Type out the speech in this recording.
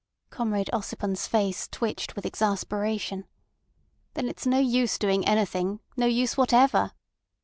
Comrade Ossipon's face twitched with exasperation. "Then it's no use doing anything—no use whatever."